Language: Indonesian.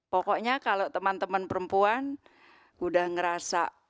pokoknya kalau teman teman perempuan sudah merasa